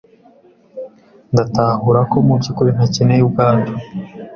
Ndatahura ko mu byukuri ntakeneye ubwato.